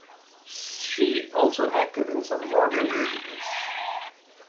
She also acted in some Broadway musicals.